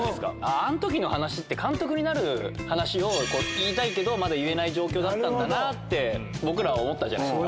あんときの話って、監督になる話を言いたいけど、まだ言えない状況だったんだなって、僕らは思ったじゃないですか。